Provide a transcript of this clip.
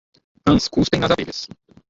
Rãs cuspem nas abelhas.